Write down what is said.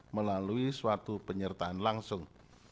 melalui suatu penyertaan langsung